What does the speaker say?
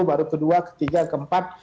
baru kedua ketiga keempat